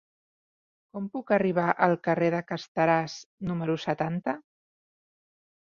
Com puc arribar al carrer de Casteràs número setanta?